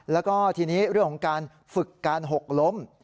แล้วก็ทีนี้เรื่องของการฝึกการหกล้ม